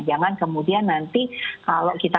jangan kemudian nanti kalau kita